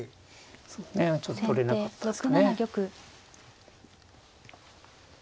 そうですねちょっと取れなかったですかね。